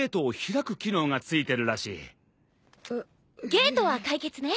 ゲートは解決ね。